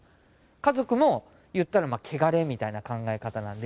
家族も言ったらケガレみたいな考え方なんで。